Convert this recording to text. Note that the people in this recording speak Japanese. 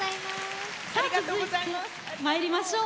続いてまいりましょう。